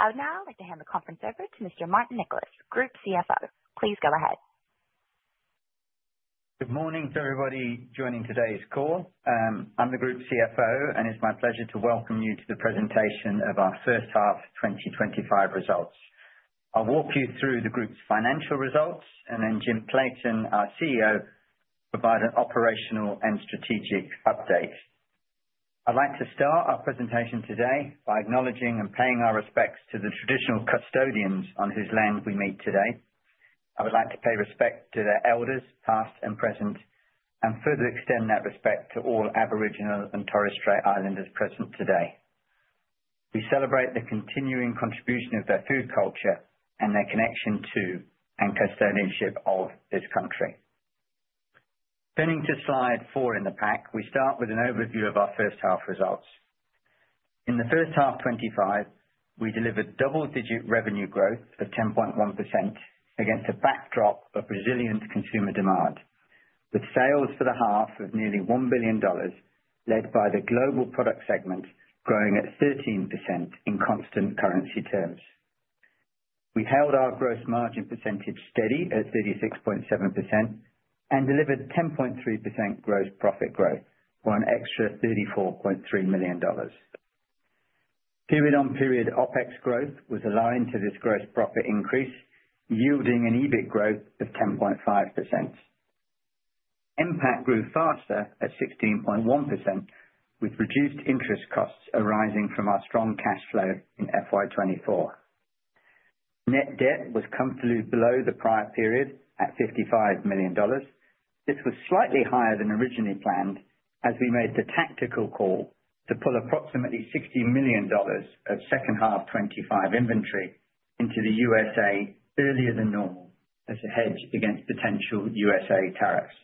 I would now like to hand the conference over to Mr. Martin Nicholas, Group CFO. Please go ahead. Good morning to everybody joining today's call. I'm the Group CFO, and it's my pleasure to welcome you to the presentation of our first half 2025 results. I'll walk you through the Group's financial results, and then Jim Clayton, our CEO, will provide an operational and strategic update. I'd like to start our presentation today by acknowledging and paying our respects to the traditional custodians on whose land we meet today. I would like to pay respect to their elders, past and present, and further extend that respect to all Aboriginal and Torres Strait Islanders present today. We celebrate the continuing contribution of their food culture and their connection to and custodianship of this country. Turning to slide 4 in the pack, we start with an overview of our first half results. In the first half 2025, we delivered double-digit revenue growth of 10.1% against a backdrop of resilient consumer demand, with sales for the half of nearly 1 billion dollars, led by the Global Product segment growing at 13% in constant currency terms. We held our gross margin percentage steady at 36.7% and delivered 10.3% gross profit growth for an extra 34.3 million dollars. Period-on-period OPEX growth was aligned to this gross profit increase, yielding an EBIT growth of 10.5%. NPAT grew faster at 16.1%, with reduced interest costs arising from our strong cash flow in FY 2024. Net debt was comfortably below the prior period at 55 million dollars. This was slightly higher than originally planned, as we made the tactical call to pull approximately 60 million dollars of second half 2025 inventory into the USA earlier than normal as a hedge against potential USA tariffs.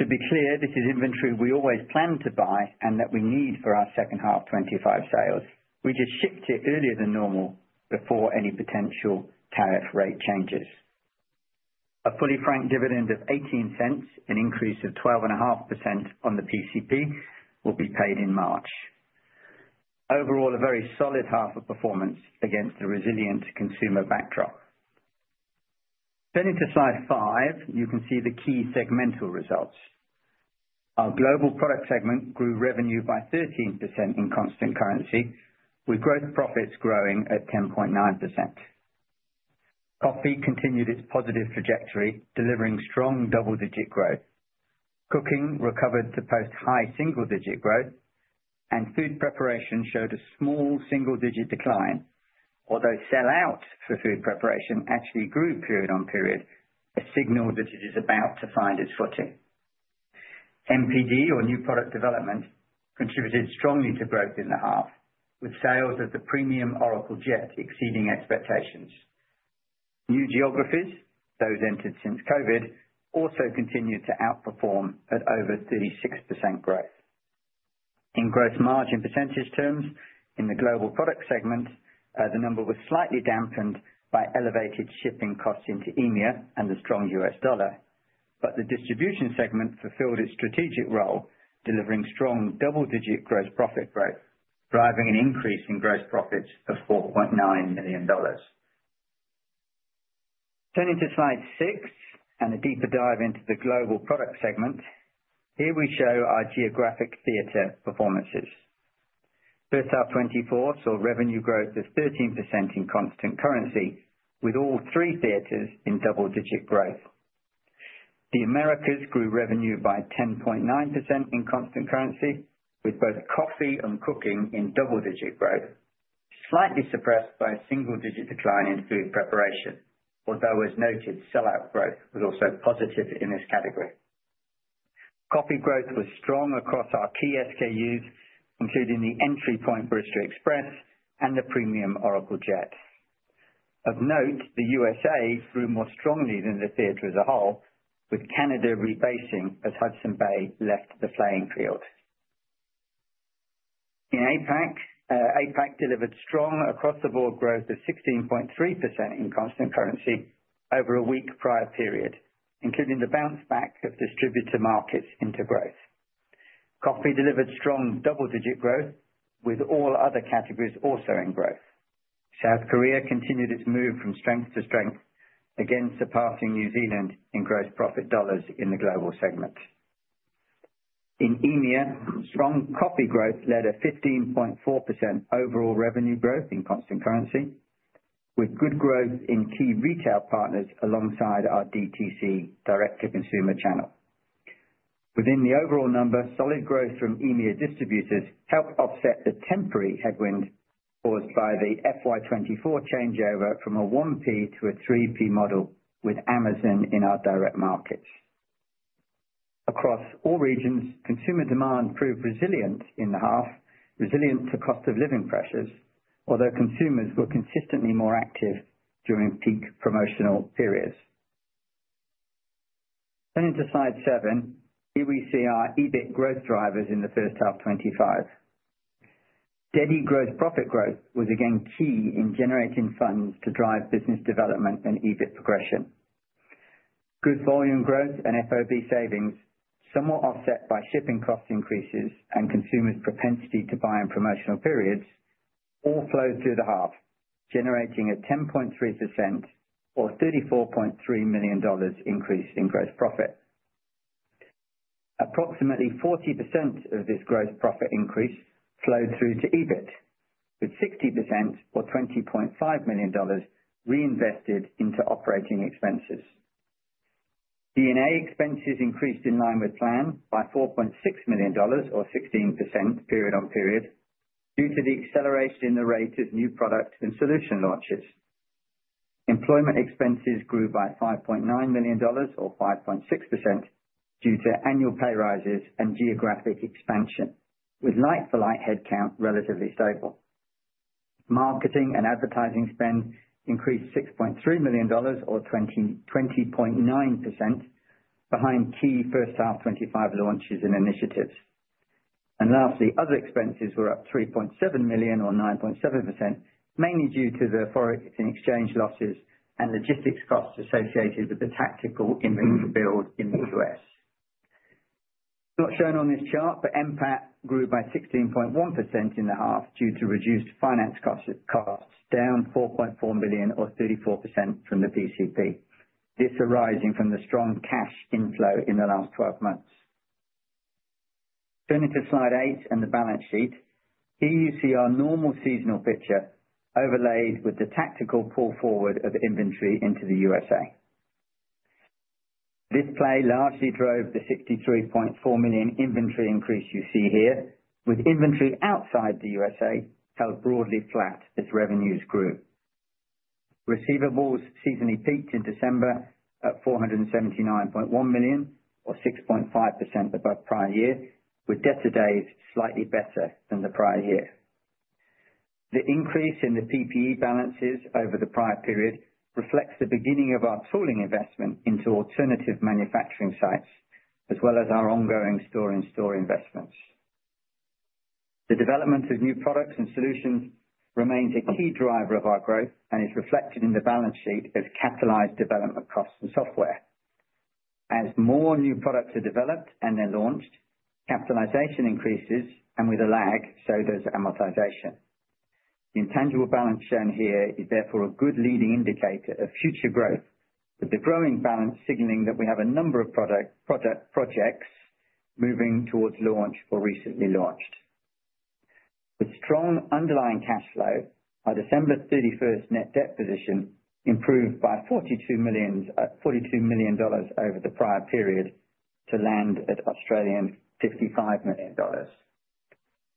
To be clear, this is inventory we always plan to buy and that we need for our second half 2025 sales. We just shipped it earlier than normal before any potential tariff rate changes. A fully franked dividend of 0.18, an increase of 12.5% on the PCP, will be paid in March. Overall, a very solid half of performance against the resilient consumer backdrop. Turning to slide 5, you can see the key segmental results. Our Global Product segment grew revenue by 13% in constant currency, with gross profits growing at 10.9%. Coffee continued its positive trajectory, delivering strong double-digit growth. Cooking recovered to post-high single-digit growth, and food preparation showed a small single-digit decline, although sell-out for food preparation actually grew period on period, a signal that it is about to find its footing. NPD, or new product development, contributed strongly to growth in the half, with sales of the premium Oracle Jet exceeding expectations. New geographies, those entered since COVID, also continued to outperform at over 36% growth. In gross margin percentage terms, in the Global Product segment, the number was slightly dampened by elevated shipping costs into EMEA and the strong US dollar, but the distribution segment fulfilled its strategic role, delivering strong double-digit gross profit growth, driving an increase in gross profits of 4.9 million dollars. Turning to slide 6 and a deeper dive into the Global Product segment, here we show our geographic theater performances. First half 2024 saw revenue growth of 13% in constant currency, with all three theaters in double-digit growth. The Americas grew revenue by 10.9% in constant currency, with both coffee and cooking in double-digit growth, slightly suppressed by a single-digit decline in food preparation, although, as noted, sell-out growth was also positive in this category. Coffee growth was strong across our key SKUs, including the entry point Barista Express and the premium Oracle Jet. Of note, the USA grew more strongly than the theater as a whole, with Canada rebasing as Hudson's Bay left the playing field. In APAC, APAC delivered strong across-the-board growth of 16.3% in constant currency over a weak prior period, including the bounce back of distributor markets into growth. Coffee delivered strong double-digit growth, with all other categories also in growth. South Korea continued its move from strength to strength, again surpassing New Zealand in gross profit dollars in the global segment. In EMEA, strong coffee growth led to 15.4% overall revenue growth in constant currency, with good growth in key retail partners alongside our DTC, direct-to-consumer channel. Within the overall number, solid growth from EMEA distributors helped offset the temporary headwind caused by the FY 2024 changeover from a 1P to a 3P model with Amazon in our direct markets. Across all regions, consumer demand proved resilient in the half, resilient to cost of living pressures, although consumers were consistently more active during peak promotional periods. Turning to slide 7, here we see our EBIT growth drivers in the first half 2025. Steady gross profit growth was again key in generating funds to drive business development and EBIT progression. Good volume growth and FOB savings, somewhat offset by shipping cost increases and consumers' propensity to buy in promotional periods, all flowed through the half, generating a 10.3% or 34.3 million dollars increase in gross profit. Approximately 40% of this gross profit increase flowed through to EBIT, with 60% or 20.5 million dollars reinvested into operating expenses. D&A expenses increased in line with plan by 4.6 million dollars or 16% period on period, due to the acceleration in the rate of new product and solution launches. Employment expenses grew by 5.9 million dollars or 5.6% due to annual pay rises and geographic expansion, with like-for-like headcount relatively stable. Marketing and advertising spend increased 6.3 million dollars or 20.9%, behind key first half 2025 launches and initiatives. And lastly, other expenses were up 3.7 million or 9.7%, mainly due to the foreign exchange losses and logistics costs associated with the tactical inventory build in the US. Not shown on this chart, but NPAT grew by 16.1% in the half due to reduced finance costs, down 4.4 million or 34% from the PCP, this arising from the strong cash inflow in the last 12 months. Turning to slide 8 and the balance sheet, here you see our normal seasonal picture overlaid with the tactical pull forward of inventory into the USA. This play largely drove the 63.4 million inventory increase you see here, with inventory outside the USA held broadly flat as revenues grew. Receivables seasonally peaked in December at 479.1 million, or 6.5% above prior year, with debtor days slightly better than the prior year. The increase in the PPE balances over the prior period reflects the beginning of our tooling investment into alternative manufacturing sites, as well as our ongoing store-in-store investments. The development of new products and solutions remains a key driver of our growth and is reflected in the balance sheet as capitalized development costs in software. As more new products are developed and then launched, capitalization increases, and with a lag, so does amortization. The intangible balance shown here is therefore a good leading indicator of future growth, with the growing balance signaling that we have a number of projects moving towards launch or recently launched. With strong underlying cash flow, our December 31st net debt position improved by 42 million dollars over the prior period to land at 55 million Australian dollars.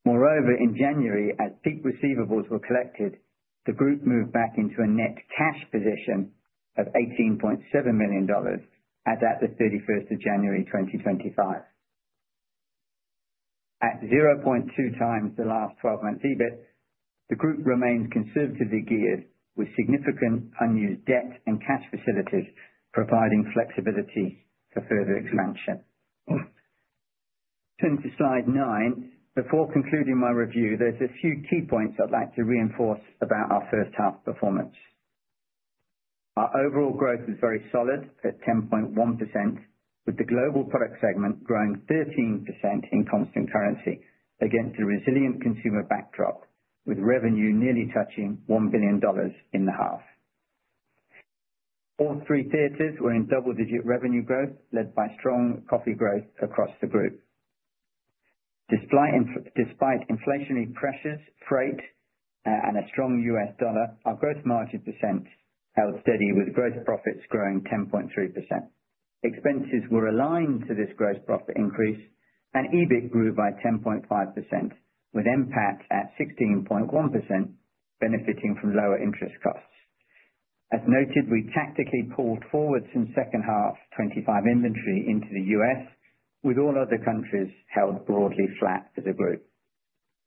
Moreover, in January, as peak receivables were collected, the Group moved back into a net cash position of 18.7 million dollars as at the 31st of January 2025. At 0.2 times the last 12-month EBIT, the Group remains conservatively geared, with significant unused debt and cash facilities providing flexibility for further expansion. Turning to slide 9, before concluding my review, there's a few key points I'd like to reinforce about our first half performance. Our overall growth is very solid at 10.1%, with the Global Product segment growing 13% in constant currency against a resilient consumer backdrop, with revenue nearly touching 1 billion dollars in the half. All three theaters were in double-digit revenue growth, led by strong coffee growth across the Group. Despite inflationary pressures, freight, and a strong US dollar, our gross margin % held steady, with gross profits growing 10.3%. Expenses were aligned to this gross profit increase, and EBIT grew by 10.5%, with EBIT margin at 16.1% benefiting from lower interest costs. As noted, we tactically pulled forward some second half 2025 inventory into the US, with all other countries held broadly flat for the Group,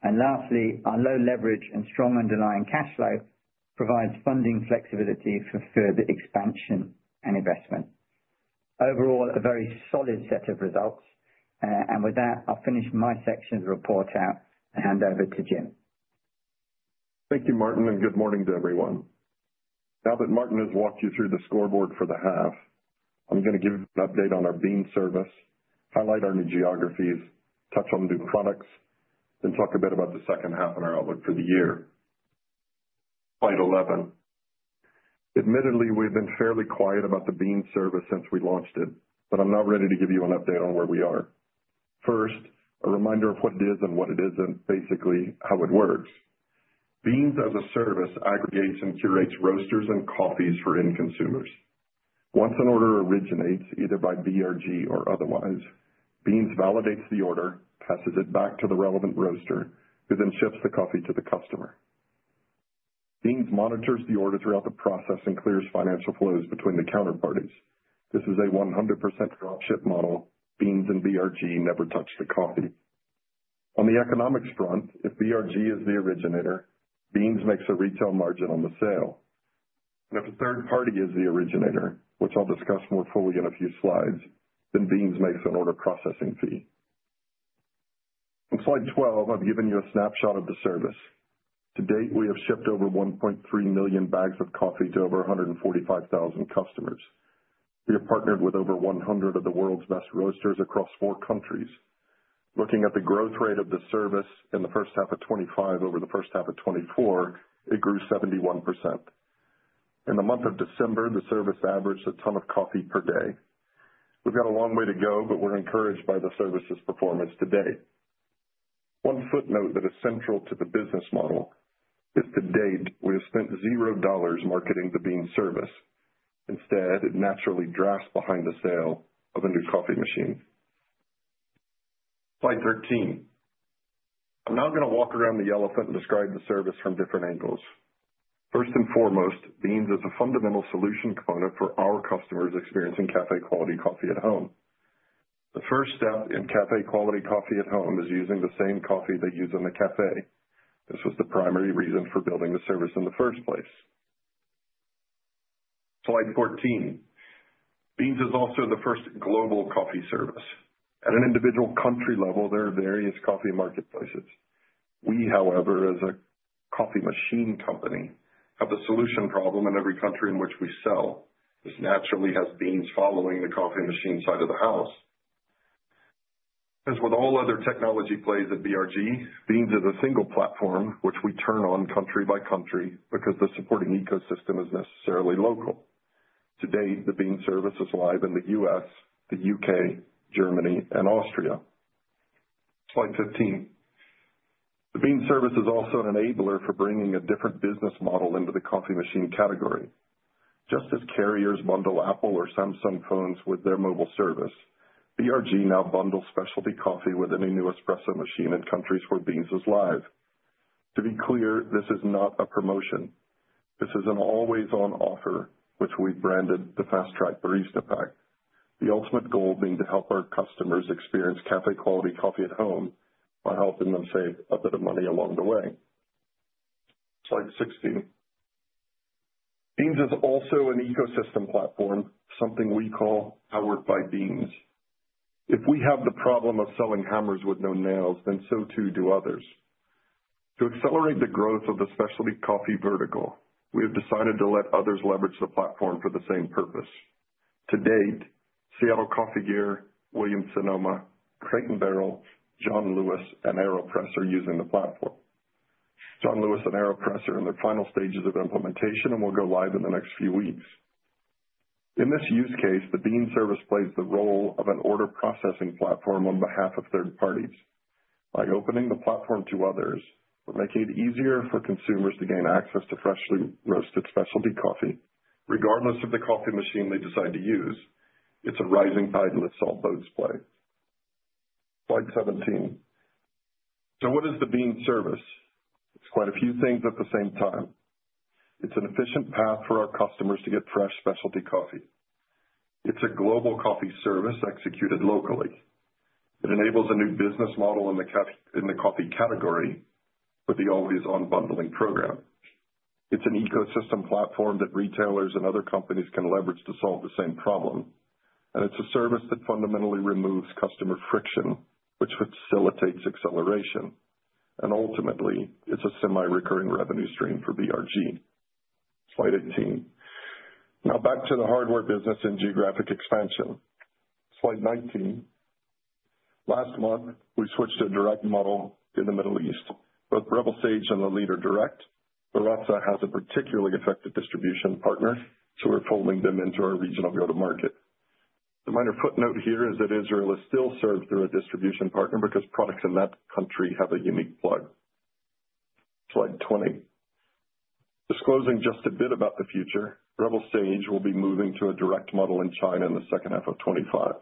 and lastly, our low leverage and strong underlying cash flow provides funding flexibility for further expansion and investment. Overall, a very solid set of results, and with that, I'll finish my section of the report out and hand over to Jim. Thank you, Martin, and good morning to everyone. Now that Martin has walked you through the scoreboard for the half, I'm going to give you an update on our Beanz service, highlight our new geographies, touch on new products, then talk a bit about the second half and our outlook for the year. Slide 11. Admittedly, we've been fairly quiet about the Beanz service since we launched it, but I'm now ready to give you an update on where we are. First, a reminder of what it is and what it isn't, basically how it works. Beanz as a service aggregates and curates roasters and coffees for end consumers. Once an order originates, either by BRG or otherwise, Beanz validates the order, passes it back to the relevant roaster, who then ships the coffee to the customer. Beanz monitors the order throughout the process and clears financial flows between the counterparties. This is a 100% dropship model. Beanz and BRG never touch the coffee. On the economics front, if BRG is the originator, Beanz makes a retail margin on the sale. And if a third party is the originator, which I'll discuss more fully in a few slides, then Beanz makes an order processing fee. On slide 12, I've given you a snapshot of the service. To date, we have shipped over 1.3 million bags of coffee to over 145,000 customers. We have partnered with over 100 of the world's best roasters across four countries. Looking at the growth rate of the service in the first half of 2025 over the first half of 2024, it grew 71%. In the month of December, the service averaged a ton of coffee per day. We've got a long way to go, but we're encouraged by the service's performance today. One footnote that is central to the business model is, to date, we have spent 0 dollars marketing the Beanz service. Instead, it naturally drafts behind the sale of a new coffee machine. Slide 13. I'm now going to walk around the elephant and describe the service from different angles. First and foremost, Beanz is a fundamental solution component for our customers experiencing café-quality coffee at home. The first step in café-quality coffee at home is using the same coffee they use in the café. This was the primary reason for building the service in the first place. Slide 14. Beanz is also the first global coffee service. At an individual country level, there are various coffee marketplaces. We, however, as a coffee machine company, have the solution problem in every country in which we sell, which naturally has Beanz following the coffee machine side of the house. As with all other technology plays at BRG, Beanz is a single platform, which we turn on country by country because the supporting ecosystem is necessarily local. To date, the Beanz service is live in the U.S., the U.K., Germany, and Austria. Slide 15. The Beanz service is also an enabler for bringing a different business model into the coffee machine category. Just as carriers bundle Apple or Samsung phones with their mobile service, BRG now bundles specialty coffee with any new espresso machine in countries where Beanz is live. To be clear, this is not a promotion. This is an always-on offer, which we've branded the Fast Track Barista Pack, the ultimate goal being to help our customers experience café-quality coffee at home while helping them save a bit of money along the way. Slide 16. Beanz is also an ecosystem platform, something we call powered by Beanz. If we have the problem of selling hammers with no nails, then so too do others. To accelerate the growth of the specialty coffee vertical, we have decided to let others leverage the platform for the same purpose. To date, Seattle Coffee Gear, Williams Sonoma, Crate & Barrel, John Lewis & Partners, and AeroPress are using the platform. John Lewis and AeroPress are in their final stages of implementation and will go live in the next few weeks. In this use case, the Beanz service plays the role of an order processing platform on behalf of third parties, by opening the platform to others or making it easier for consumers to gain access to freshly roasted specialty coffee, regardless of the coffee machine they decide to use. It's a rising tide and it's all boats play. Slide 17. So what is the Beanz service? It's quite a few things at the same time. It's an efficient path for our customers to get fresh specialty coffee. It's a global coffee service executed locally. It enables a new business model in the coffee category with the always-on bundling program. It's an ecosystem platform that retailers and other companies can leverage to solve the same problem. It's a service that fundamentally removes customer friction, which facilitates acceleration. Ultimately, it's a semi-recurring revenue stream for BRG. Slide 18. Now back to the hardware business and geographic expansion. Slide 19. Last month, we switched to a direct model in the Middle East. Both our Sage and Baratza have a particularly effective distribution partner, so we're folding them into our regional go-to-market. The minor footnote here is that Israel is still served through a distribution partner because products in that country have a unique plug. Slide 20. Disclosing just a bit about the future, our Sage will be moving to a direct model in China in the second half of 2025.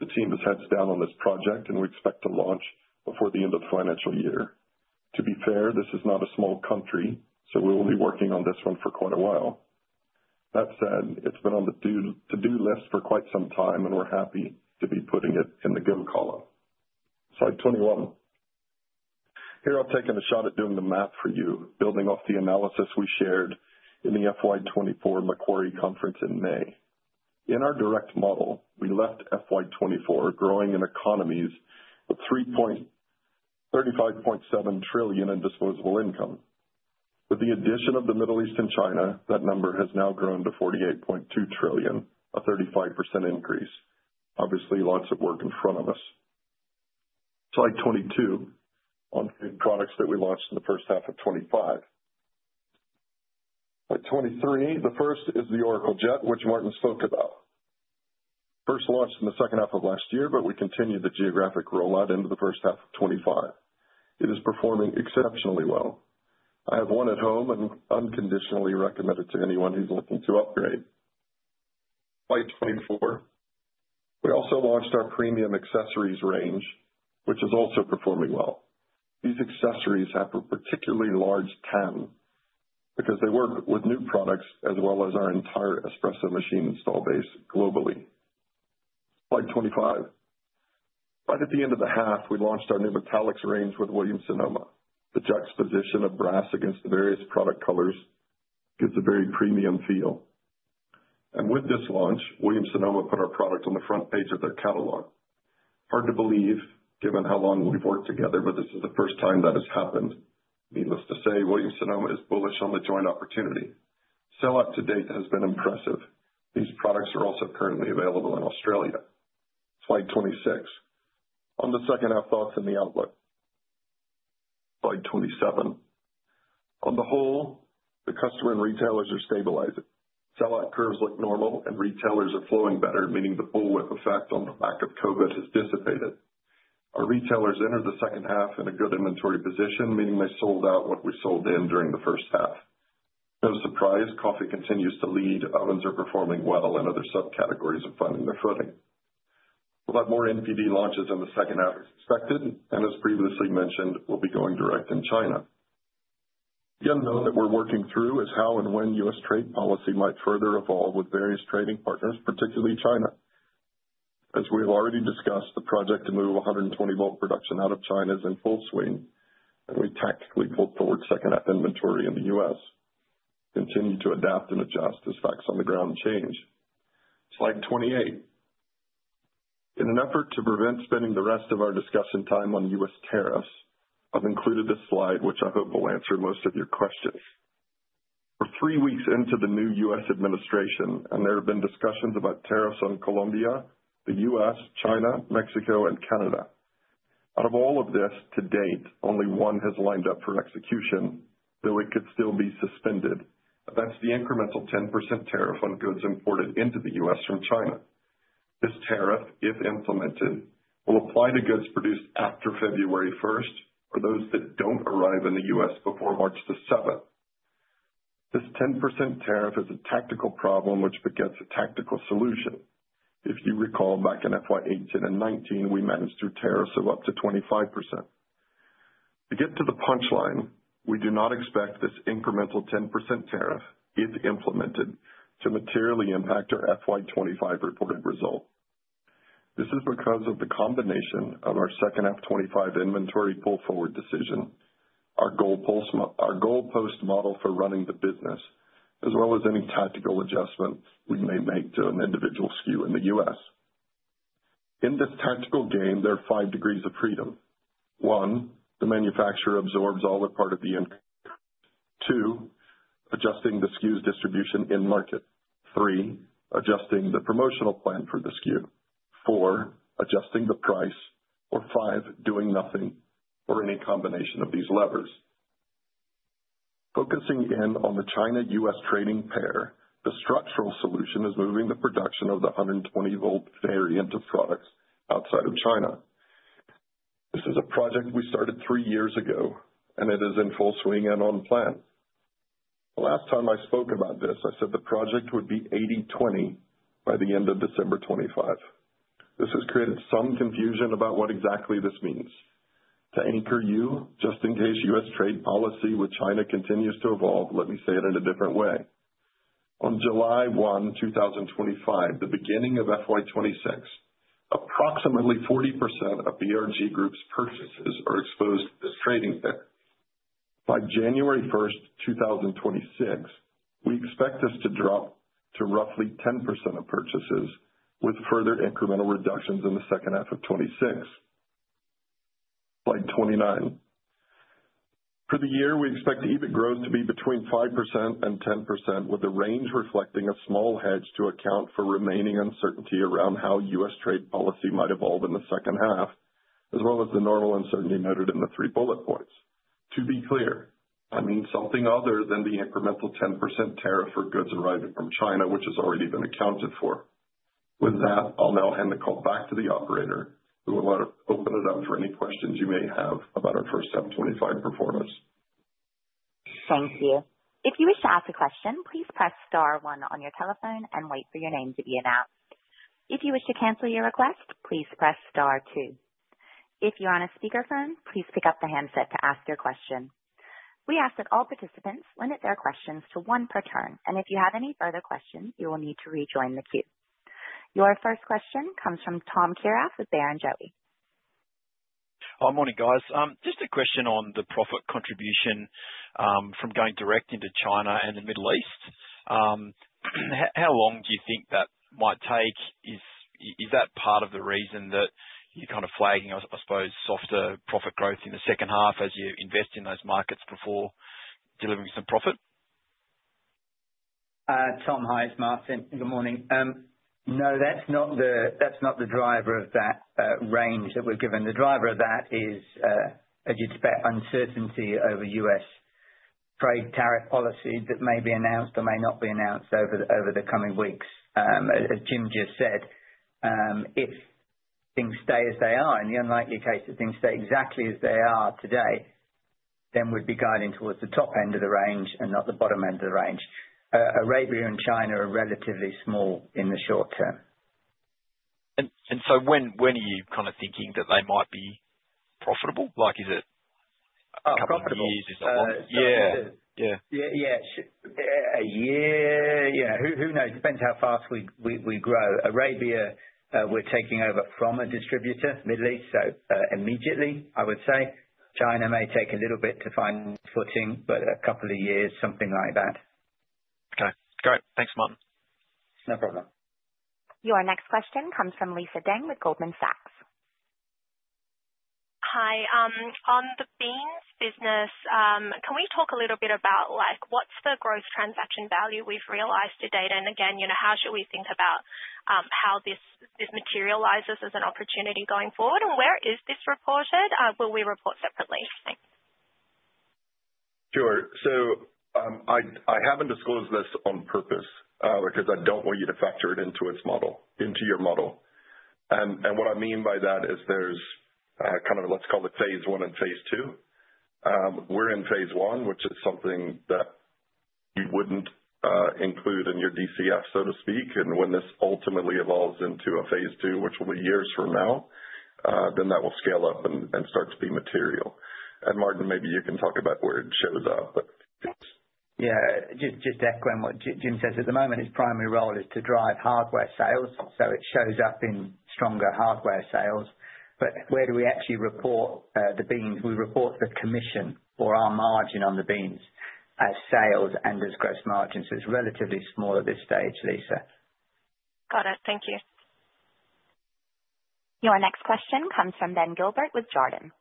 The team has heads down on this project, and we expect to launch before the end of the financial year. To be fair, this is not a small country, so we will be working on this one for quite a while. That said, it's been on the to-do list for quite some time, and we're happy to be putting it in the go column. Slide 21. Here I've taken a shot at doing the math for you, building off the analysis we shared in the FY24 Macquarie Conference in May. In our direct model, we left FY24 with growing economies of $35.7 trillion in disposable income. With the addition of the Middle East and China, that number has now grown to $48.2 trillion, a 35% increase. Obviously, lots of work in front of us. Slide 22. On products that we launched in the first half of 2025. Slide 23. The first is the Oracle Jet, which Martin spoke about. First launched in the second half of last year, but we continued the geographic rollout into the first half of 2025. It is performing exceptionally well. I have one at home and unconditionally recommend it to anyone who's looking to upgrade. Slide 24. We also launched our premium accessories range, which is also performing well. These accessories have a particularly large TAM because they work with new products as well as our entire espresso machine installed base globally. Slide 25. Right at the end of the half, we launched our new Metallics range with [audio distortion: Williams Sonoma]. The juxtaposition of brass against the various product colors gives a very premium feel. And with this launch, Williams Sonoma put our product on the front page of their catalog. Hard to believe, given how long we've worked together, but this is the first time that has happened. Needless to say, Williams Sonoma is bullish on the joint opportunity. Sell-out to date has been impressive. These products are also currently available in Australia. Slide 26. On the second half, thoughts in the outlook. Slide 27. On the whole, the customer and retailers are stabilizing. Sell-out curves look normal, and retailers are flowing better, meaning the bullwhip effect on the back of COVID has dissipated. Our retailers entered the second half in a good inventory position, meaning they sold out what we sold in during the first half. No surprise, coffee continues to lead. Ovens are performing well, and other subcategories are finding their footing. We'll have more NPD launches in the second half as expected, and as previously mentioned, we'll be going direct in China. The unknown that we're working through is how and when U.S. trade policy might further evolve with various trading partners, particularly China. As we have already discussed, the project to move 120-volt production out of China is in full swing, and we tactically pulled forward second-half inventory in the U.S. Continue to adapt and adjust as facts on the ground change. Slide 28. In an effort to prevent spending the rest of our discussion time on U.S. tariffs, I've included this slide, which I hope will answer most of your questions. For three weeks into the new U.S. administration, and there have been discussions about tariffs on Colombia, the U.S., China, Mexico, and Canada. Out of all of this to date, only one has lined up for execution, though it could still be suspended. That's the incremental 10% tariff on goods imported into the U.S. from China. This tariff, if implemented, will apply to goods produced after February 1st or those that don't arrive in the U.S. before March the 7th. This 10% tariff is a tactical problem which begets a tactical solution. If you recall, back in FY 2018 and 2019, we managed through tariffs of up to 25%. To get to the punchline, we do not expect this incremental 10% tariff, if implemented, to materially impact our FY 2025 reported result. This is because of the combination of our second half 2025 inventory pull-forward decision, our goalpost model for running the business, as well as any tactical adjustment we may make to an individual SKU in the U.S. In this tactical game, there are five degrees of freedom. One, the manufacturer absorbs all the part of the income. Two, adjusting the SKU's distribution in market. Three, adjusting the promotional plan for the SKU. Four, adjusting the price. Or five, doing nothing or any combination of these levers. Focusing in on the China-U.S. trading pair, the structural solution is moving the production of the 120-volt variant of products outside of China. This is a project we started three years ago, and it is in full swing and on plan. The last time I spoke about this, I said the project would be 80/20 by the end of December 2025. This has created some confusion about what exactly this means. To anchor you, just in case U.S. trade policy with China continues to evolve, let me say it in a different way. On July 1, 2025, the beginning of FY26, approximately 40% of BRG Group's purchases are exposed to this trading pair. By January 1st, 2026, we expect this to drop to roughly 10% of purchases with further incremental reductions in the second half of 2026. Slide 29. For the year, we expect EBIT growth to be between 5% and 10%, with the range reflecting a small hedge to account for remaining uncertainty around how U.S. trade policy might evolve in the second half, as well as the normal uncertainty noted in the three bullet points. To be clear, I mean something other than the incremental 10% tariff for goods arriving from China, which has already been accounted for. With that, I'll now hand the call back to the operator, who will open it up for any questions you may have about our first FY25 performance. [Operator' Instructions] Your first question comes from Tom Kierath with Barrenjoey. Hi, morning, guys. Just a question on the profit contribution from going direct into China and the Middle East. How long do you think that might take? Is that part of the reason that you're kind of flagging, I suppose, softer profit growth in the second half as you invest in those markets before delivering some profit? Tom, it's Martin. Good morning. No, that's not the driver of that range that we've given. The driver of that is, as you'd expect, uncertainty over U.S. trade tariff policy that may be announced or may not be announced over the coming weeks. As Jim just said, if things stay as they are, in the unlikely case that things stay exactly as they are today, then we'd be guiding towards the top end of the range and not the bottom end of the range. Australia and China are relatively small in the short term. And so when are you kind of thinking that they might be profitable? Is it a couple of years? Profitable. Yeah. Yeah. Yeah. A year. Yeah. Who knows? Depends how fast we grow. Arabia, we're taking over from a distributor, Middle East, so immediately, I would say. China may take a little bit to find footing, but a couple of years, something like that. Okay. Great. Thanks, Martin. No problem. Your next question comes from Lisa Deng with Goldman Sachs. Hi. On the Beanz business, can we talk a little bit about what's the gross transaction value we've realized to date? And again, how should we think about how this materializes as an opportunity going forward? And where is this reported? Will we report separately? Sure. So I haven't disclosed this on purpose because I don't want you to factor it into your model. And what I mean by that is there's kind of, let's call it phase one and phase two. We're in phase one, which is something that you wouldn't include in your DCF, so to speak. And when this ultimately evolves into a phase two, which will be years from now, then that will scale up and start to be material. And Martin, maybe you can talk about where it shows up, but. Yeah. Just echoing what Jim says. At the moment, his primary role is to drive hardware sales, so it shows up in stronger hardware sales. But where do we actually report the Beanz? We report the commission or our margin on the Beanz as sales and as gross margins. It's relatively small at this stage, Lisa. Got it. Thank you. Your next question comes from Ben Gilbert with Jarden.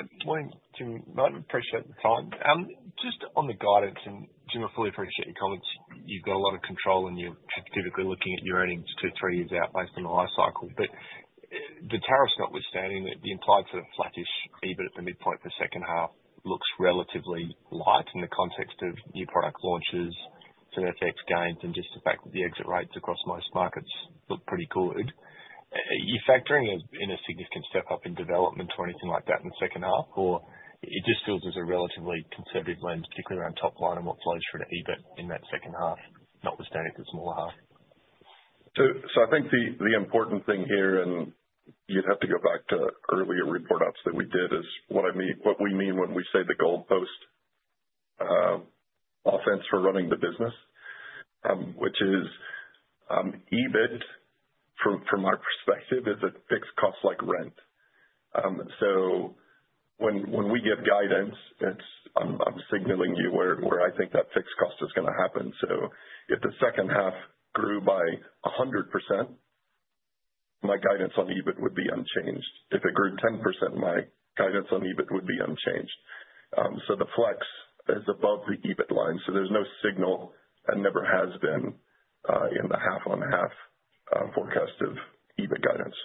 Good morning, Jim. Martin, appreciate the time. Just on the guidance, and Jim, I fully appreciate your comments. You've got a lot of control, and you're typically looking at your earnings two, three years out based on the life cycle. But the tariffs notwithstanding, the implied sort of flattish EBIT at the midpoint for the second half looks relatively light in the context of new product launches, efficiency gains, and just the fact that the exit rates across most markets look pretty good. Are you factoring in a significant step up in development or anything like that in the second half? Or it just feels as a relatively conservative lens, particularly around top line and what flows through to EBIT in that second half, notwithstanding the smaller half? I think the important thing here, and you'd have to go back to earlier report-outs that we did, is what we mean when we say the goalpost model for running the business, which is EBIT, from my perspective, is a fixed cost like rent. When we get guidance, I'm signaling you where I think that fixed cost is going to happen. If the second half grew by 100%, my guidance on EBIT would be unchanged. If it grew 10%, my guidance on EBIT would be unchanged. The flex is above the EBIT line, so there's no signal and never has been in the half-on-half forecast of EBIT guidance.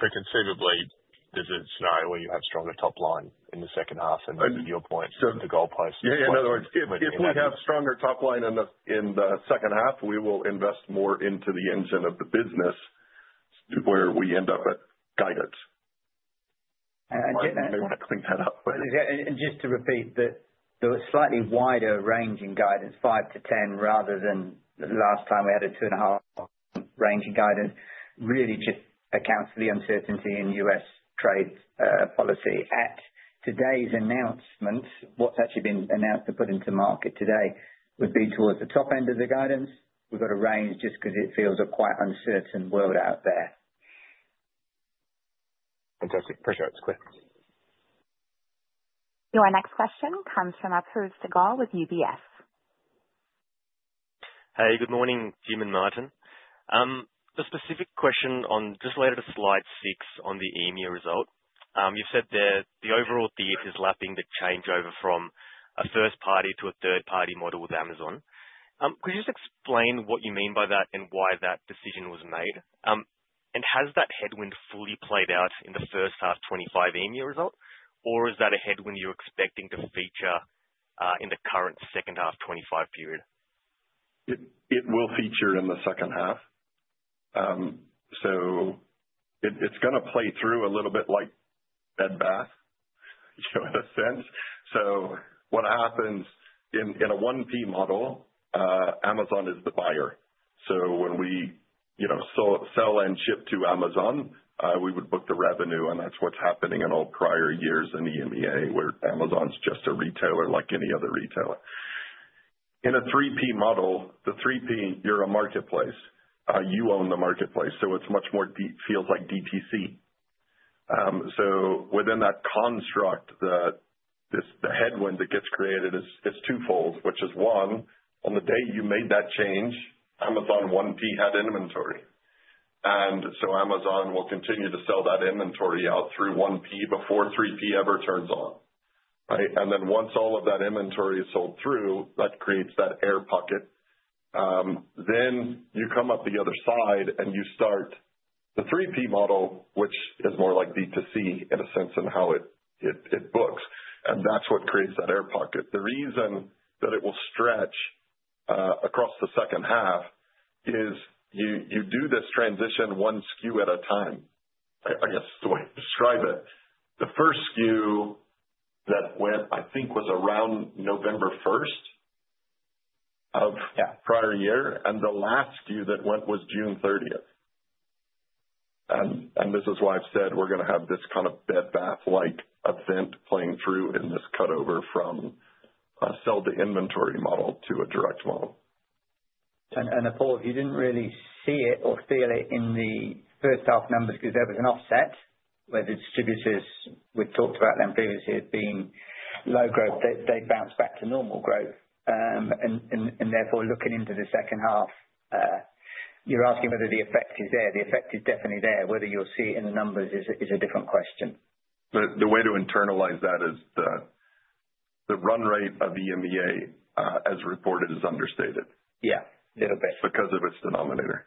So conceivably, this is a scenario where you have stronger top line in the second half and the deal points at the goal price. Yeah. In other words, if we have stronger top line in the second half, we will invest more into the engine of the business where we end up at guidance. I may want to clean that up, and just to repeat, the slightly wider range in guidance, 5-10, rather than last time we had a two-and-a-half range in guidance, really just accounts for the uncertainty in U.S. trade policy. At today's announcement, what's actually been announced to put into market today would be towards the top end of the guidance. We've got a range just because it feels a quite uncertain world out there. Fantastic. Appreciate it. It's clear. Your next question comes from Apoorv Sehgal with UBS. Hey, good morning, Jim and Martin. A specific question, just related to slide 6 on the EMEA result. You've said that the overall theory is lapping the changeover from a first-party to a third-party model with Amazon. Could you just explain what you mean by that and why that decision was made? And has that headwind fully played out in the first half 2025 EMEA result, or is that a headwind you're expecting to feature in the current second half 2025 period? It will feature in the second half, so it's going to play through a little bit like Bed Bath & Beyond, in a sense, so what happens in a 1P model, Amazon is the buyer. So when we sell and ship to Amazon, we would book the revenue, and that's what's happening in all prior years in the EMEA, where Amazon's just a retailer like any other retailer. In a 3P model, the 3P, you're a marketplace. You own the marketplace, so it's much more feels like DTC. In that construct, the headwind that gets created is twofold, which is one, on the day you made that change, Amazon 1P had inventory, and so Amazon will continue to sell that inventory out through 1P before 3P ever turns on, and then once all of that inventory is sold through, that creates that air pocket. Then you come up the other side and you start the 3P model, which is more like DTC in a sense in how it books. And that's what creates that air pocket. The reason that it will stretch across the second half is you do this transition one SKU at a time, I guess, the way to describe it. The first SKU that went, I think, was around November 1st of prior year, and the last SKU that went was June 30th. And this is why I've said we're going to have this kind of Bed Bath & Beyond-like event playing through in this cutover from a sell-to-inventory model to a direct model. Apoorv, if you didn't really see it or feel it in the first half numbers because there was an offset where the distributors we've talked about them previously as being low growth, they bounced back to normal growth. Therefore, looking into the second half, you're asking whether the effect is there. The effect is definitely there. Whether you'll see it in the numbers is a different question. The way to internalize that is the run rate of EMEA, as reported, is understated. Yeah. A little bit. Because of its denominator.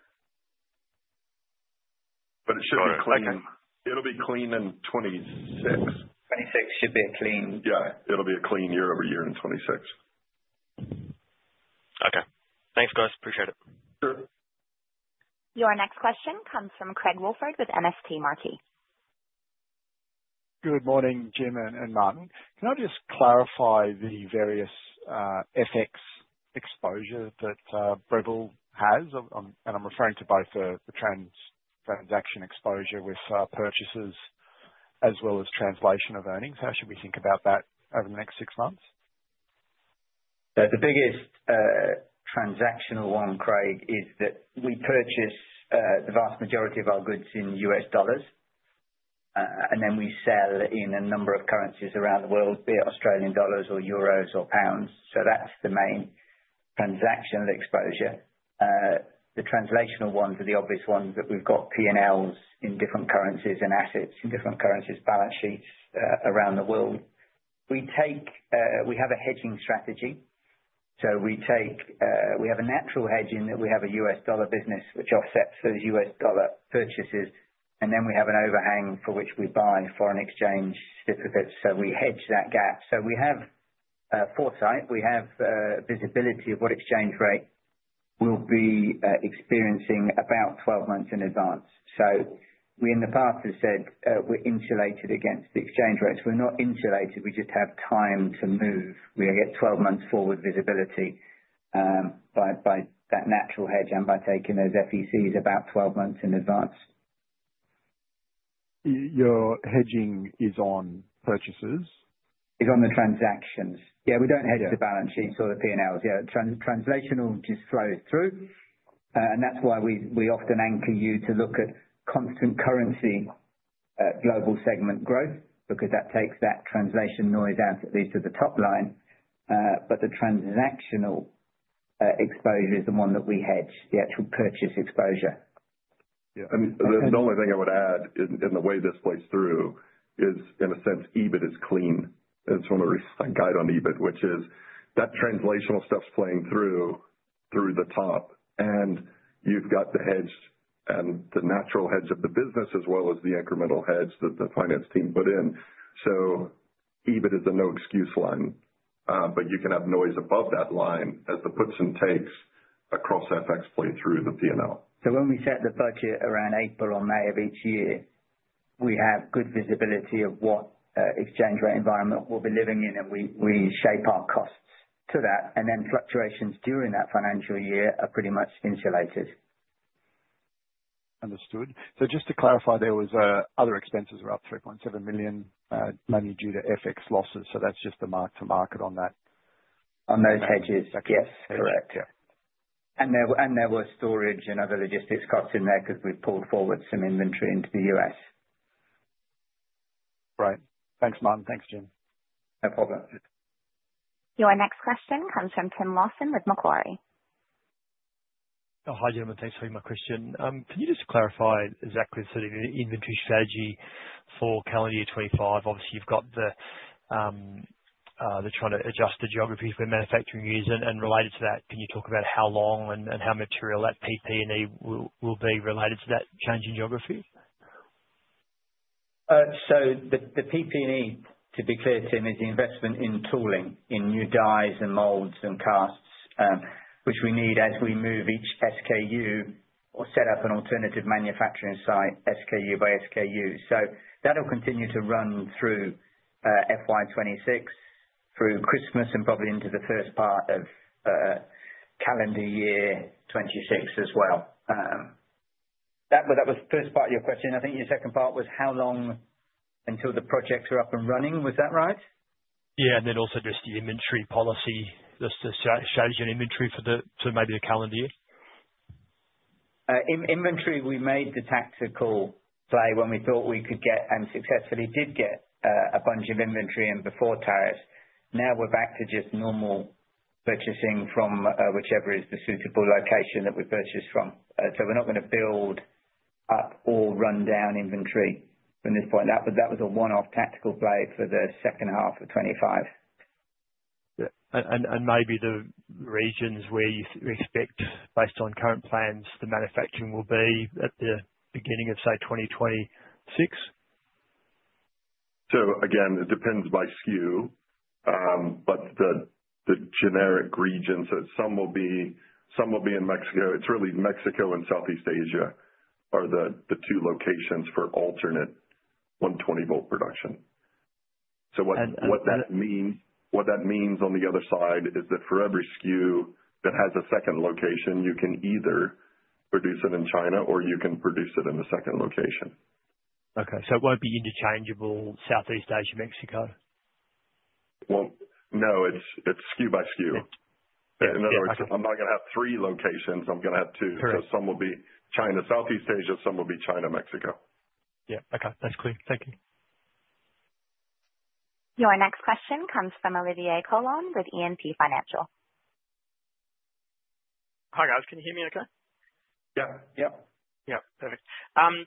But it should be clean. It'll be clean in 2026. 2026 should be a clean. Yeah. It'll be a clean year over year in 2026. Okay. Thanks, guys. Appreciate it. Sure. Your next question comes from Craig Woolford with MST Marquee. Good morning, Jim and Martin. Can I just clarify the various FX exposure that Breville has? And I'm referring to both the transaction exposure with purchases as well as translation of earnings. How should we think about that over the next six months? The biggest transactional one, Craig, is that we purchase the vast majority of our goods in US dollars, and then we sell in a number of currencies around the world, be it Australian dollars or euros or pounds. So that's the main transactional exposure. The translational ones are the obvious ones that we've got P&Ls in different currencies and assets in different currencies, balance sheets around the world. We have a hedging strategy. So we have a natural hedge in that we have a US dollar business, which offsets those US dollar purchases, and then we have an overhang for which we buy foreign exchange contracts. So we hedge that gap. So we have foresight. We have visibility of what exchange rate we'll be experiencing about 12 months in advance. So we, in the past, have said we're insulated against the exchange rates. We're not insulated, we just have time to move. We get 12 months forward visibility by that natural hedge and by taking those FECs about 12 months in advance. Your hedging is on purchases? It's on the transactions. Yeah. We don't hedge the balance sheets or the P&Ls. Yeah. Translational just flows through. And that's why we often anchor you to look at constant currency global segment growth, because that takes that translation noise out at least at the top line. But the transactional exposure is the one that we hedge, the actual purchase exposure. Yeah, and the only thing I would add in the way this plays through is, in a sense, EBIT is clean. It's one of the guidance on EBIT, which is that translational stuff's playing through the top, and you've got the hedge and the natural hedge of the business as well as the incremental hedge that the finance team put in, so EBIT is a no-excuse line, but you can have noise above that line as the puts and takes across FX play through the P&L. So when we set the budget around April or May of each year, we have good visibility of what exchange rate environment we'll be living in, and we shape our costs to that. And then fluctuations during that financial year are pretty much insulated. Understood. So just to clarify, there were other expenses around 3.7 million due to FX losses. So that's just the mark-to-market on that? On those hedges. Yes. Correct. Yeah. And there were storage and other logistics costs in there because we've pulled forward some inventory into the U.S. Right. Thanks, Martin. Thanks, Jim. No problem. Your next question comes from Tim Lawson with Macquarie. Hi, Jim. Thanks for having my question. Can you just clarify exactly the inventory strategy for calendar year 2025? Obviously, you've got the trying to adjust the geographies where manufacturing is, and related to that, can you talk about how long and how material that PP&E will be related to that changing geography? So the PP&E, to be clear, Tim, is the investment in tooling, in new dies and molds and casts, which we need as we move each SKU or set up an alternative manufacturing site, SKU by SKU. So that'll continue to run through FY26, through Christmas, and probably into the first part of calendar year 2026 as well. That was the first part of your question. I think your second part was how long until the projects are up and running. Was that right? Yeah. And then also just the inventory policy. Does it show your inventory for maybe the calendar year? Inventory, we made the tactical play when we thought we could get and successfully did get a bunch of inventory in before tariffs. Now we're back to just normal purchasing from whichever is the suitable location that we purchase from. So we're not going to build up or run down inventory from this point. That was a one-off tactical play for the second half of 2025. Yeah, and maybe the regions where you expect, based on current plans, the manufacturing will be at the beginning of, say, 2026? So again, it depends by SKU, but the generic region. So some will be in Mexico. It's really Mexico and Southeast Asia are the two locations for alternate 120-volt production. So what that means on the other side is that for every SKU that has a second location, you can either produce it in China or you can produce it in the second location. Okay. So it won't be interchangeable Southeast Asia, Mexico? No. It's SKU by SKU. In other words, I'm not going to have three locations. I'm going to have two. So some will be China, Southeast Asia. Some will be China, Mexico. Yeah. Okay. That's clear. Thank you. Your next question comes from Olivier Coulon with E&P Financial. Hi, guys. Can you hear me okay? Yeah. Yeah. Yeah. Perfect.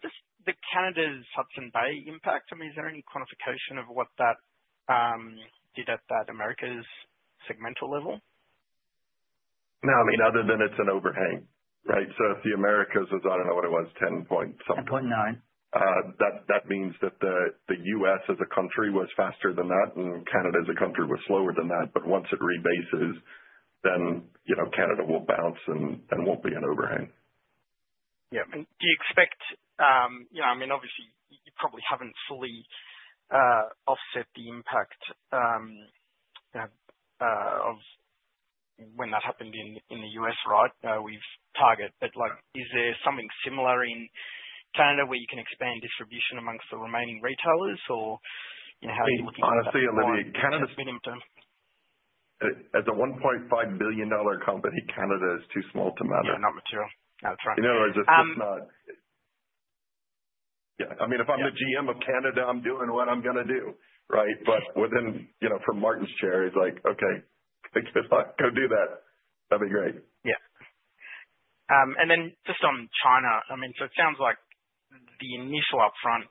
Just the Canada's Hudson's Bay impact, I mean, is there any quantification of what that did at that America's segment level? No. I mean, other than it's an overhang, right? So if the Americas is, I don't know what it was, 10-point something. 10.9. That means that the U.S. as a country was faster than that, and Canada as a country was slower than that, but once it rebases, then Canada will bounce and won't be an overhang. Yeah, and do you expect—I mean, obviously, you probably haven't fully offset the impact of when that happened in the U.S., right? We hit target, but is there something similar in Canada where you can expand distribution among the remaining retailers, or how are you looking at that? Honestly, Olivier, Canada. At a AUD 1.5 billion company, Canada is too small to manage. Yeah. Not material. That's right. In other words, it's just not, yeah. I mean, if I'm the GM of Canada, I'm doing what I'm going to do, right? But from Martin's chair, he's like, "Okay. Go do that. That'll be great. Yeah. And then just on China, I mean, so it sounds like the initial upfront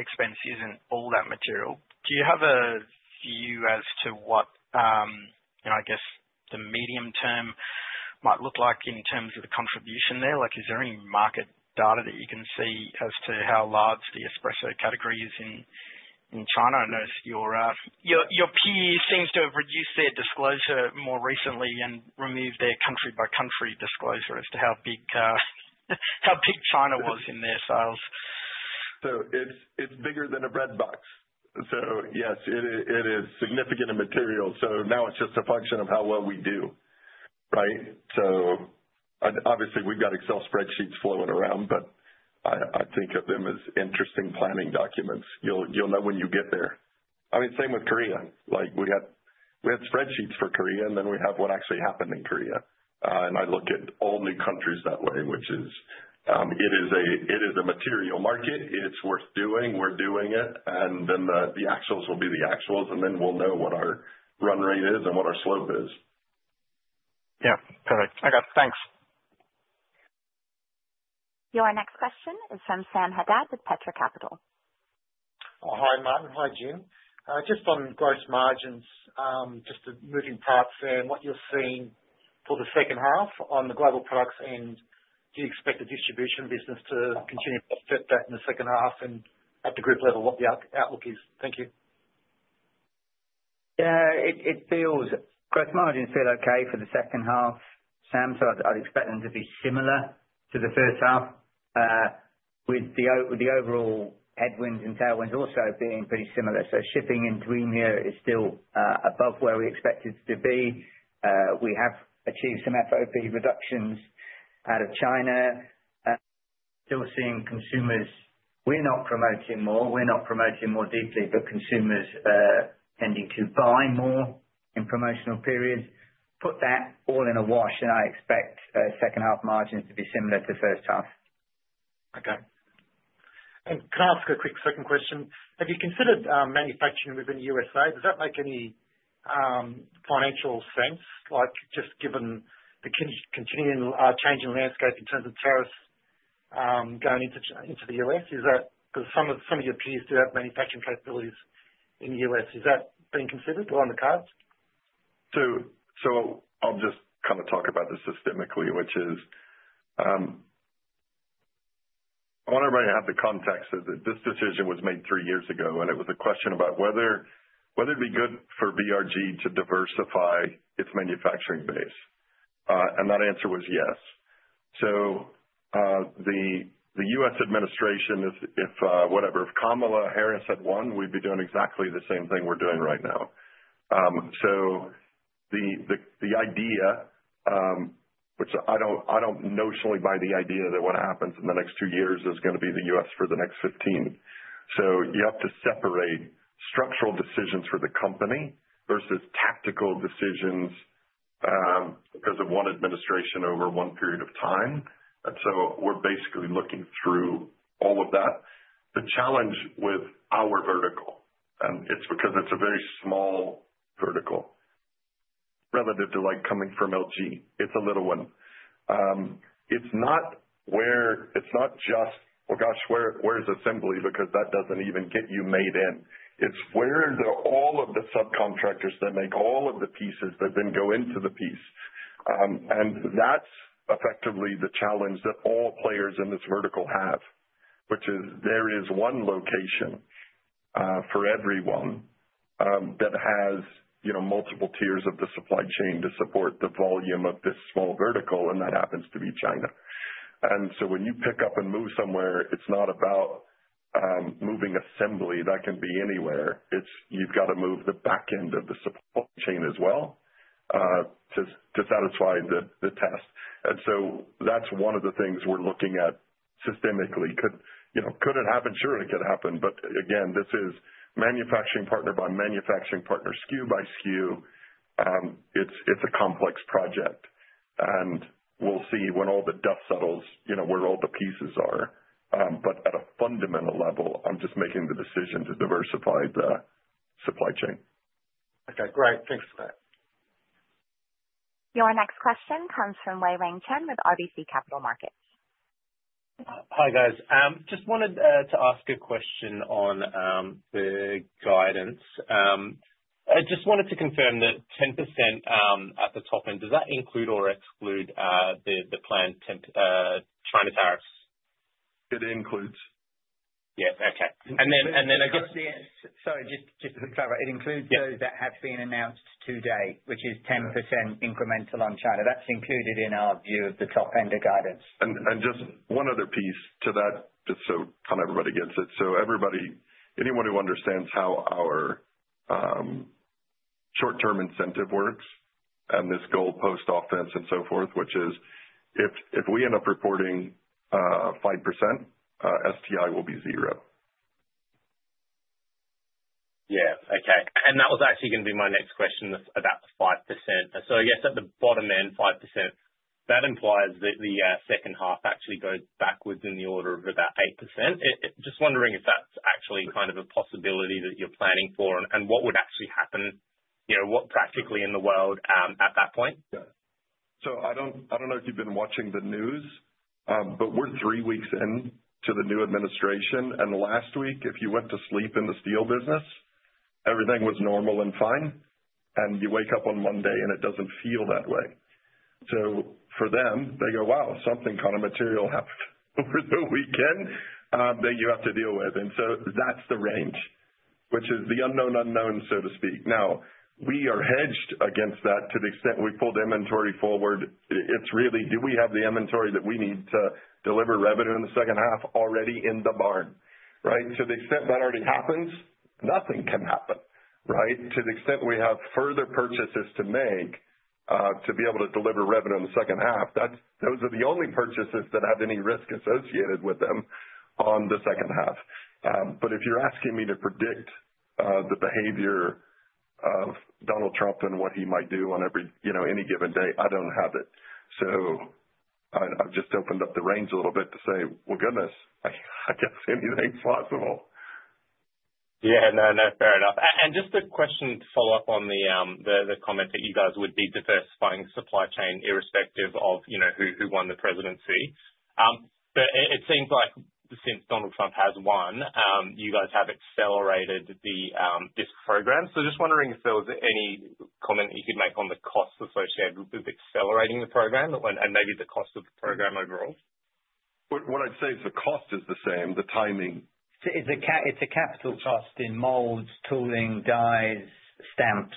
expense isn't all that material. Do you have a view as to what, I guess, the medium term might look like in terms of the contribution there? Is there any market data that you can see as to how large the espresso category is in China? I know your peer seems to have reduced their disclosure more recently and removed their country-by-country disclosure as to how big China was in their sales. So it's bigger than a bread box. So yes, it is significant in material. So now it's just a function of how well we do, right? So obviously, we've got Excel spreadsheets flowing around, but I think of them as interesting planning documents. You'll know when you get there. I mean, same with Korea. We had spreadsheets for Korea, and then we have what actually happened in Korea. And I look at all new countries that way, which is it is a material market. It's worth doing. We're doing it. And then the actuals will be the actuals, and then we'll know what our run rate is and what our slope is. Yeah. Perfect. Okay. Thanks. Your next question is from Sam Haddad with Petra Capital. Hi, Martin. Hi, Jim. Just on gross margins, just the moving parts and what you're seeing for the second half on the Global Products end. Do you expect the distribution business to continue to fit that in the second half? And at the group level, what the outlook is? Thank you. Yeah. Gross margins feel okay for the second half, Sam. So I'd expect them to be similar to the first half, with the overall headwinds and tailwinds also being pretty similar. So So shipping and tariffs is still above where we expected it to be. We have achieved some FOB reductions out of China. Still seeing consumers we're not promoting more. We're not promoting more deeply, but consumers tending to buy more in promotional periods. Put that all in a wash, and I expect second half margins to be similar to first half. Okay. And can I ask a quick second question? Have you considered manufacturing within the USA? Does that make any financial sense, just given the continuing changing landscape in terms of tariffs going into the U.S.? Because some of your peers do have manufacturing capabilities in the US. Is that being considered or on the cards? So I'll just kind of talk about this systemically, which is I want everybody to have the context that this decision was made three years ago, and it was a question about whether it'd be good for BRG to diversify its manufacturing base. And that answer was yes. So the U.S. administration, if whatever, if Kamala Harris had won, we'd be doing exactly the same thing we're doing right now. So the idea, which I don't notionally buy the idea that what happens in the next two years is going to be the U.S. for the next 15. So you have to separate structural decisions for the company versus tactical decisions because of one administration over one period of time. And so we're basically looking through all of that. The challenge with our vertical, and it's because it's a very small vertical relative to coming from LG. It's a little one. It's not just, "Oh gosh, where's assembly?" because that doesn't even get you made in. It's where are all of the subcontractors that make all of the pieces that then go into the piece. And that's effectively the challenge that all players in this vertical have, which is there is one location for everyone that has multiple tiers of the supply chain to support the volume of this small vertical, and that happens to be China. And so when you pick up and move somewhere, it's not about moving assembly. That can be anywhere. You've got to move the back end of the supply chain as well to satisfy the rest. And so that's one of the things we're looking at systemically. Could it happen? Sure, it could happen. But again, this is manufacturing partner by manufacturing partner, SKU by SKU. It's a complex project. We'll see when all the dust settles, where all the pieces are. At a fundamental level, I'm just making the decision to diversify the supply chain. Okay. Great. Thanks for that. Your next question comes from Wei-Weng Chen with RBC Capital Markets. Hi, guys. Just wanted to ask a question on the guidance. I just wanted to confirm that 10% at the top end, does that include or exclude the planned China tariffs? It includes. Yeah. Okay. And then I guess -- Sorry. Just to clarify, it includes those that have been announced to date, which is 10% incremental on China. That's included in our view of the top end of guidance. Just one other piece to that, just so kind of everybody gets it. Anyone who understands how our short-term incentive works and this goalpost model and so forth, which is if we end up reporting 5%, STI will be zero. Yeah. Okay. And that was actually going to be my next question about the 5%. So I guess at the bottom end, 5%, that implies that the second half actually goes backwards in the order of about 8%. Just wondering if that's actually kind of a possibility that you're planning for and what would actually happen, what practically in the world at that point? Yeah. So I don't know if you've been watching the news, but we're three weeks into the new administration. And last week, if you went to sleep in the steel business, everything was normal and fine. And you wake up on Monday, and it doesn't feel that way. So for them, they go, "Wow, something kind of material happened over the weekend that you have to deal with." And so that's the range, which is the unknown unknown, so to speak. Now, we are hedged against that to the extent we pull the inventory forward. It's really, do we have the inventory that we need to deliver revenue in the second half already in the barn, right? To the extent that already happens, nothing can happen, right? To the extent we have further purchases to make to be able to deliver revenue in the second half, those are the only purchases that have any risk associated with them on the second half. But if you're asking me to predict the behavior of Donald Trump and what he might do on any given day, I don't have it. So I've just opened up the range a little bit to say, "Well, goodness, I guess anything's possible. Yeah. No, no. Fair enough. And just a question to follow up on the comment that you guys would be diversifying supply chain irrespective of who won the presidency. But it seems like since Donald Trump has won, you guys have accelerated this program. So just wondering if there was any comment you could make on the costs associated with accelerating the program and maybe the cost of the program overall? What I'd say is the cost is the same. The timing. It's a capital cost in molds, tooling, dies, stamps.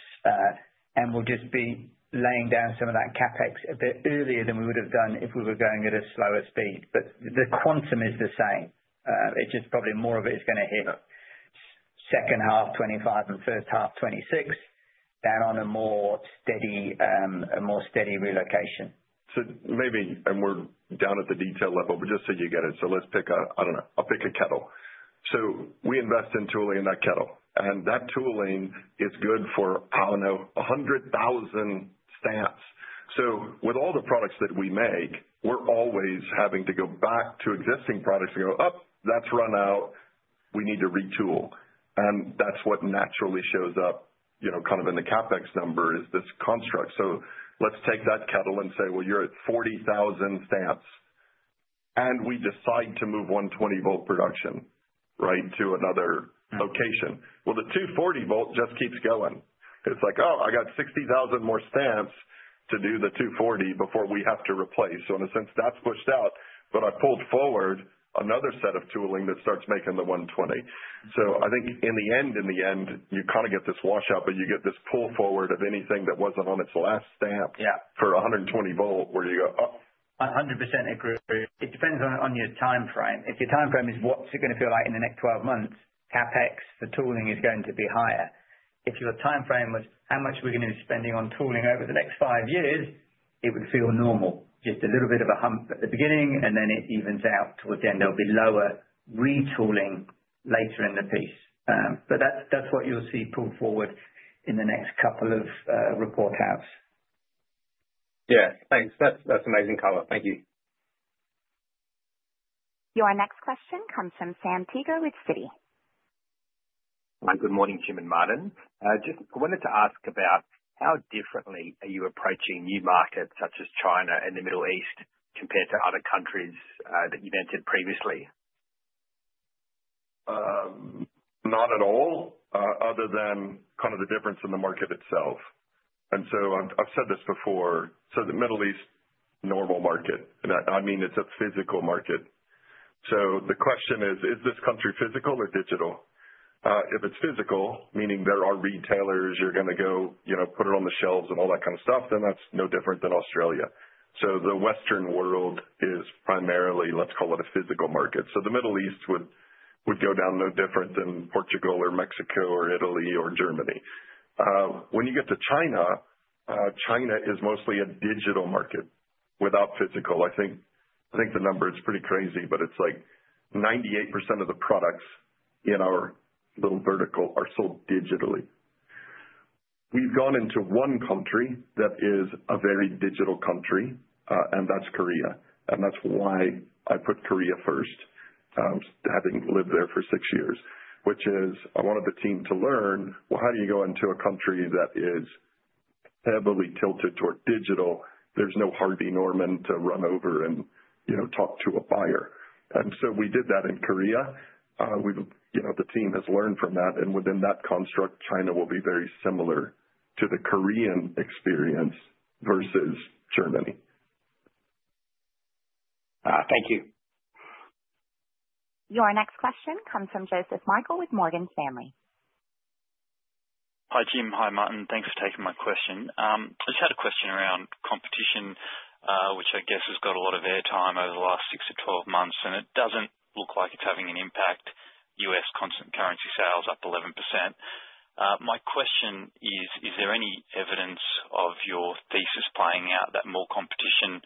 And we'll just be laying down some of that CapEx a bit earlier than we would have done if we were going at a slower speed. But the quantum is the same. It's just probably more of it is going to hit second half 2025 and first half 2026 down on a more steady relocation. So maybe, and we're down at the detail level, but just so you get it. So let's pick a, I don't know, I'll pick a kettle. So we invest in tooling in that kettle. And that tooling is good for, I don't know, 100,000 stamps. So with all the products that we make, we're always having to go back to existing products and go, "Oh, that's run out. We need to retool." And that's what naturally shows up kind of in the CapEx number is this construct. So let's take that kettle and say, "Well, you're at 40,000 stamps." And we decide to move 120-volt production, right, to another location. Well, the 240-volt just keeps going. It's like, "Oh, I got 60,000 more stamps to do the 240 before we have to replace." So in a sense, that's pushed out. But I pulled forward another set of tooling that starts making the 120. So I think in the end you kind of get this washout, but you get this pull forward of anything that wasn't on its last stamp for 120-volt where you go, "Oh." 100% agree. It depends on your timeframe. If your timeframe is what it's going to feel like in the next 12 months, CapEx, the tooling is going to be higher. If your timeframe was how much we're going to be spending on tooling over the next five years, it would feel normal. Just a little bit of a hump at the beginning, and then it evens out towards the end. There'll be lower retooling later in the piece. But that's what you'll see pulled forward in the next couple of reporting periods. Yeah. Thanks. That's amazing coverage. Thank you. Your next question comes from Sam Teeger, with Citi. Hi. Good morning, Jim and Martin. Just wanted to ask about how differently are you approaching new markets such as China and the Middle East compared to other countries that you've entered previously? Not at all, other than kind of the difference in the market itself, and so I've said this before, so the Middle East, normal market. I mean, it's a physical market. So the question is, is this country physical or digital? If it's physical, meaning there are retailers, you're going to go put it on the shelves and all that kind of stuff, then that's no different than Australia. So the Western world is primarily, let's call it a physical market, so the Middle East would go down no different than Portugal or Mexico or Italy or Germany. When you get to China, China is mostly a digital market without physical. I think the number is pretty crazy, but it's like 98% of the products in our little vertical are sold digitally. We've gone into one country that is a very digital country, and that's Korea. And that's why I put Korea first, having lived there for six years, which is I wanted the team to learn, "Well, how do you go into a country that is heavily tilted toward digital? There's no Harvey Norman to run over and talk to a buyer." And so we did that in Korea. The team has learned from that. And within that construct, China will be very similar to the Korean experience versus Germany. Thank you. Your next question comes from Joseph Michael with Morgan Stanley. Hi, Jim. Hi, Martin. Thanks for taking my question. I just had a question around competition, which I guess has got a lot of airtime over the last six to 12 months. It doesn't look like it's having an impact. U.S. constant currency sales up 11%. My question is, is there any evidence of your thesis playing out that more competition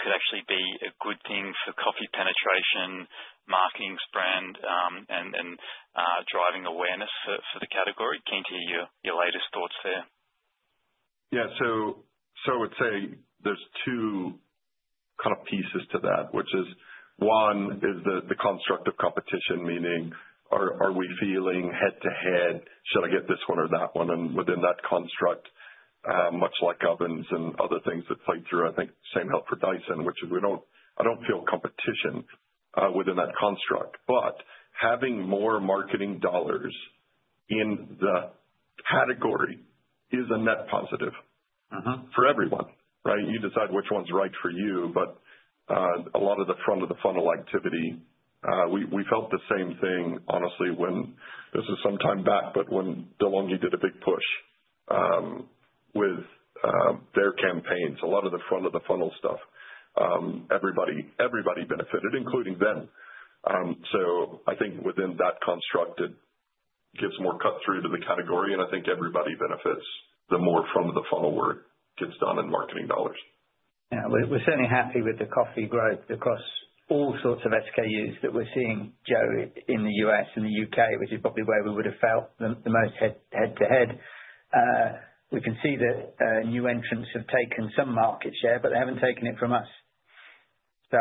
could actually be a good thing for coffee penetration, marketing brand, and driving awareness for the category? Keen to hear your latest thoughts there. Yeah. So I would say there's two kind of pieces to that, which is one is the construct of competition, meaning are we feeling head-to-head? Should I get this one or that one? And within that construct, much like ovens and other things that play through, I think same as well for Dyson, which I don't feel competition within that construct. But having more marketing dollars in the category is a net positive for everyone, right? You decide which one's right for you. But a lot of the front-of-the-funnel activity, we felt the same thing, honestly, when this is some time back, but when De'Longhi did a big push with their campaigns. A lot of the front-of-the-funnel stuff, everybody benefited, including them. So I think within that construct, it gives more cut-through to the category. And I think everybody benefits the more front-of-the-funnel work gets done in marketing dollars. Yeah. We're certainly happy with the coffee growth across all sorts of SKUs that we're seeing, Joe, in the U.S. and the U.K., which is probably where we would have felt the most head-to-head. We can see that new entrants have taken some market share, but they haven't taken it from us. So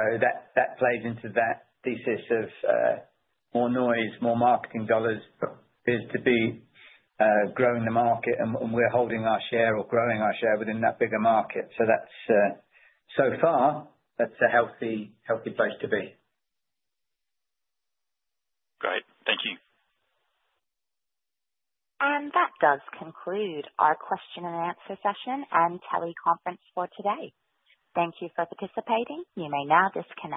that plays into that thesis of more noise, more marketing dollars appears to be growing the market, and we're holding our share or growing our share within that bigger market. So far, that's a healthy place to be. Great. Thank you. And that does conclude our question and answer session and teleconference for today. Thank you for participating. You may now disconnect.